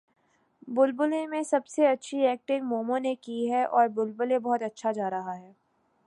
بلبلے میں سب سے اچھی ایکٹنگ مومو نے کی ہے اور بلبلے بہت اچھا جا رہا ہے